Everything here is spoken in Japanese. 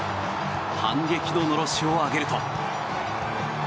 反撃ののろしを上げると。